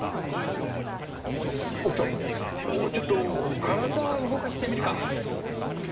あっ北斗ちょっと体動かしてみるか。